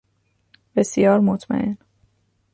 بسیار مطمئن